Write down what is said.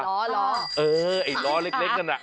อ๋อไอ้ล้อเล็กนั้นน่ะ